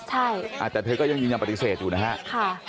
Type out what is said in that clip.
แต่เธอก็ยังยังยังปฏิเสธอยู่นะครับ